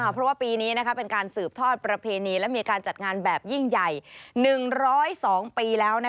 เพราะว่าปีนี้เป็นการสืบทอดประเพณีและมีการจัดงานแบบยิ่งใหญ่๑๐๒ปีแล้ว